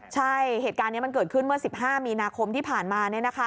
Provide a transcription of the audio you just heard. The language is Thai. ใช่เหตุการณ์นี้มันเกิดขึ้นเมื่อ๑๕มีนาคมที่ผ่านมา